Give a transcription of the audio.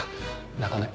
泣かない。